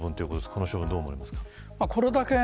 この処分、どう思われますか。